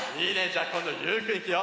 じゃあこんどゆうくんいくよ！